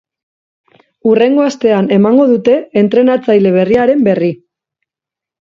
Hurrengo astean emango dute entrenatzaile berriaren berri.